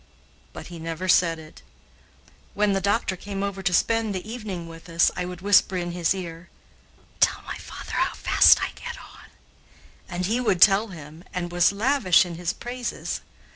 But he never said it. When the doctor came over to spend the evening with us, I would whisper in his ear: "Tell my father how fast I get on," and he would tell him, and was lavish in his praises.